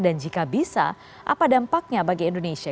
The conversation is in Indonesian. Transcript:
dan jika bisa apa dampaknya bagi indonesia